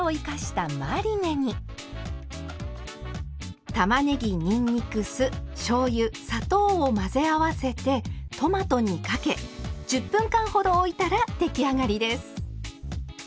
たまねぎにんにく酢しょうゆ砂糖を混ぜ合わせてトマトにかけ１０分間ほどおいたら出来上がりです。